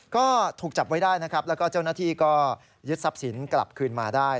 ก็ถูกจับไว้ได้นะครับแล้วก็เจ้าหน้าที่ก็ยึดทรัพย์สินกลับคืนมาได้